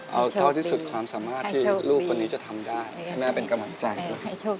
เอาเท่าที่สุดความสามารถที่ลูกคนนี้จะทำได้ให้แม่เป็นกำลังใจให้โชค